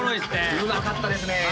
うまかったですね。